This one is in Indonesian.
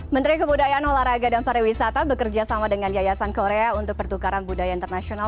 menteri kebudayaan olahraga dan pariwisata bekerja sama dengan yayasan korea untuk pertukaran budaya internasional